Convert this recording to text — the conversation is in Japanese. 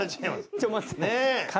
ちょっと待って。